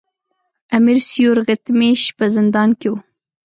امیر سیورغتمیش په زندان کې وو.